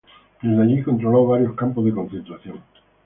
Desde allí, controló varios campos de concentración.